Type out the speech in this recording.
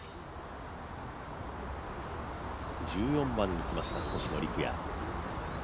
１４番に来ました星野陸也。